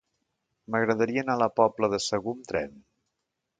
M'agradaria anar a la Pobla de Segur amb tren.